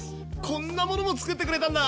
こんなものもつくってくれたんだ！